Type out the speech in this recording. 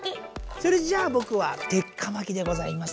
それじゃあぼくはてっかまきでございます。